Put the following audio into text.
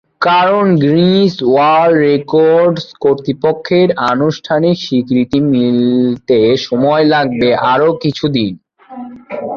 কারণ, Guinness World Records কর্তৃপক্ষের আনুষ্ঠানিক স্বীকৃতি মিলতে সময় লাগবে আরও কিছুদিন।